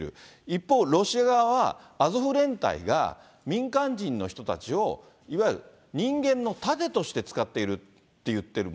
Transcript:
一方、ロシア側は、アゾフ連隊が民間人の人たちをいわゆる人間の盾として使っているって言っている。